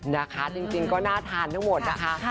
นะคะจริงก็น่าทานทั้งหมดนะคะ